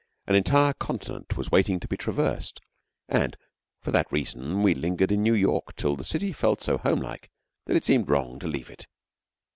An entire continent was waiting to be traversed, and, for that reason, we lingered in New York till the city felt so homelike that it seemed wrong to leave it.